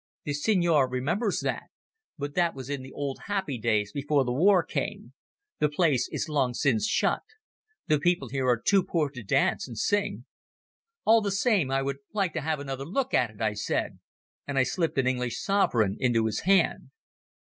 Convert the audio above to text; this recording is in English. "The Signor remembers that. But that was in the old happy days before war came. The place is long since shut. The people here are too poor to dance and sing." "All the same I would like to have another look at it," I said, and I slipped an English sovereign into his hand.